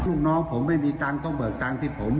ลูกน้องผมไม่มีตังค์ต้องเบิกตังค์ที่ผม